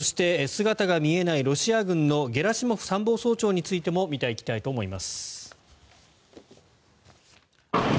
そして姿が見られないロシア軍のゲラシモフ参謀総長についても見ていきたいと思います。